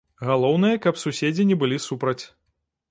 Галоўнае, каб суседзі не былі супраць.